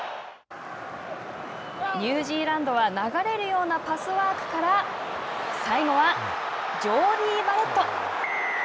ニュージーランドは流れるようなパスワークから最後はジョーディー・バレット。